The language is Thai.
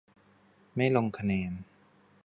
ไม่ลงคะแนน